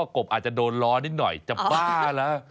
กบอาจจะโดนล้อนิดหน่อยจะบ้าแล้ว